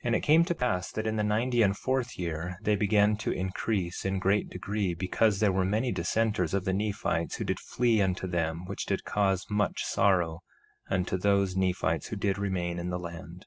1:28 And it came to pass that in the ninety and fourth year they began to increase in great degree, because there were many dissenters of the Nephites who did flee unto them, which did cause much sorrow unto those Nephites who did remain in the land.